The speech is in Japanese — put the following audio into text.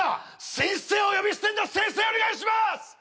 ・先生をお呼びしてんだ先生お願いします